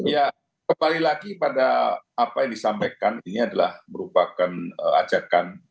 ya kembali lagi pada apa yang disampaikan ini adalah merupakan ajakan